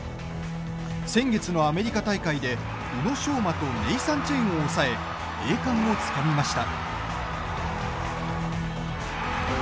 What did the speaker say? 先月のアメリカ大会で宇野昌磨とネイサン・チェンを抑え栄冠をつかみました。